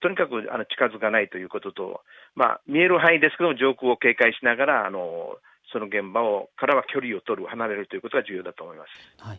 とにかく近づかないということと見える範囲ですが上空を警戒しながら現場からは距離を取る、離れることが重要です。